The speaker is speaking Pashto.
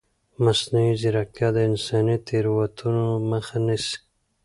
مصنوعي ځیرکتیا د انساني تېروتنو مخه نیسي.